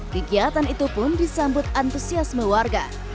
kegiatan itu pun disambut antusiasme warga